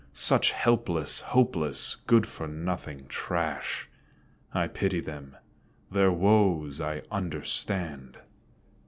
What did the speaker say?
Such helpless, hopeless, good for nothing trash. I pity them; their woes I understand."